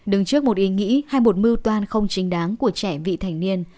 đứng trước một ý nghĩ hay một mưu toan không chính đáng của trẻ vị thành niên